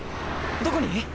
どこに？